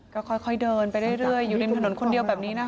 ก็ค่อยเดินไปเรื่อยอยู่ริมถนนคนเดียวแบบนี้นะคะ